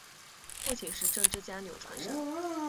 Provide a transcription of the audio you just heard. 父亲是政治家钮传善。